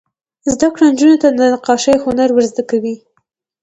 زده کړه نجونو ته د نقاشۍ هنر ور زده کوي.